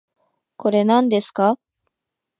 これ、なんですか